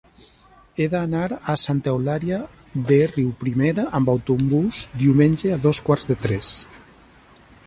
He d'anar a Santa Eulàlia de Riuprimer amb autobús diumenge a dos quarts de tres.